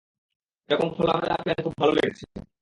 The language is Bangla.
এরকম খোলামেলা প্ল্যান খুব ভালো লেগেছে!